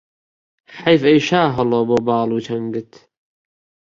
حەیف ئەی شاهەڵۆ بۆ باڵ و چەنگت